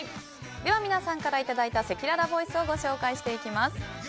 では皆さんからいただいたせきららボイスをご紹介していきます。